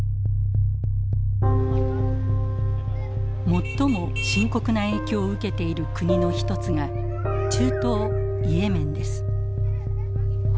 最も深刻な影響を受けている国の一つが中東イエメンです。